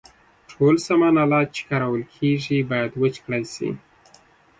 ټول سامان آلات چې کارول کیږي باید وچ کړای شي.